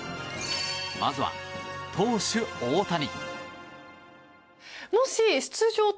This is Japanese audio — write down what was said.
まずは投手・大谷。